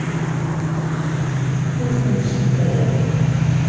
Ur tent-sseddayeɣ.